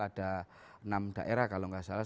ada enam daerah kalau nggak salah